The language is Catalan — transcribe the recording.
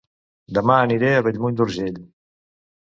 Dema aniré a Bellmunt d'Urgell